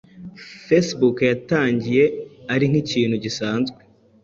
Facebook yatangiye ari nk’ikintu gisanzwe